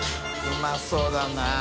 うまそうだな。